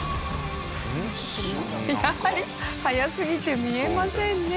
やはり速すぎて見えませんね。